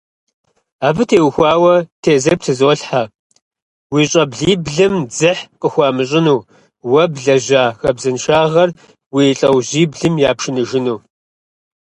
Абы теухуауэ тезыр птызолъхьэ: уи щӀэблиблым дзыхь къыхуамыщӏыну, уэ блэжьа хабзэншагъэр уи лъэужьиблым япшыныжыну.